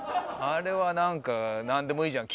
あれはなんかなんでもいいじゃん。